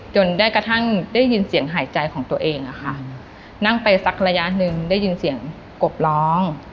ได้กระทั่งได้ยินเสียงหายใจของตัวเองอะค่ะนั่งไปสักระยะหนึ่งได้ยินเสียงกบร้อง